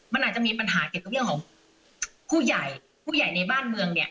มันอาจจะมีปัญหาเกี่ยวกับเรื่องของผู้ใหญ่ผู้ใหญ่ในบ้านเมืองเนี่ย